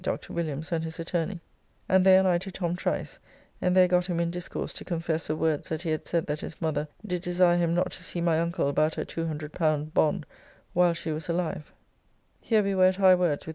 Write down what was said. In the afternoon by appointment to meet Dr. Williams and his attorney, and they and I to Tom Trice, and there got him in discourse to confess the words that he had said that his mother did desire him not to see my uncle about her L200 bond while she was alive. Here we were at high words with T.